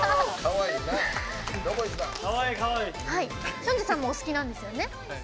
ヒョンジェさんもお好きなんですよね。